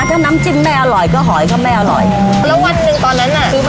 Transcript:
ถ้าน้ำจิ้มไม่อร่อยก็หอยก็ไม่อร่อยแล้ววันหนึ่งตอนนั้นอ่ะคือ